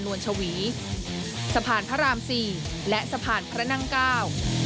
วลชวีสะพานพระรามสี่และสะพานพระนั่งเก้า